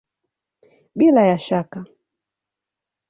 Bila ya shaka!